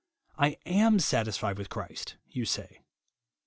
" I am satisfied with Christ," you say.